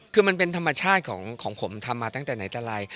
คือมันเป็นธรรมชาติของผมทำมาตั้งแต่ไหนตะไร